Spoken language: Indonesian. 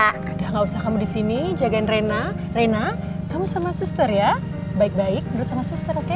sudah gak usah kamu di sini jagain rena rena kamu sama suster ya baik baik menurut sama suster oke